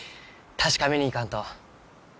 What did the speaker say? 確かめに行かんと。